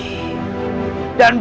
dan biarlah kau mati